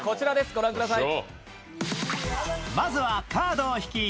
ご覧ください。